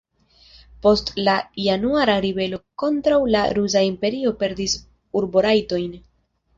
Post la januara ribelo kontraŭ la Rusa Imperio perdis urborajtojn.